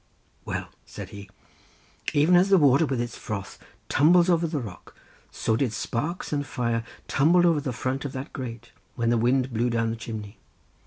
"Well," said he, "even as the water with its froth tumbles over the rock, so did sparks and fire tumble over the front of that grate when the wind blew down the chimney.